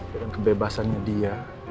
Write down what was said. dengan kebebasannya dia